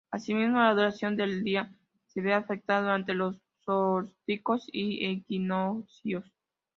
Asimismo, la duración del día se ve afectada durante los solsticios y equinoccios.